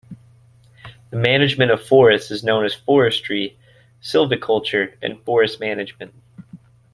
The management of forests is known as forestry, silviculture, and forest management.